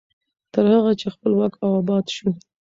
تر هغه چې خپلواک او اباد شو.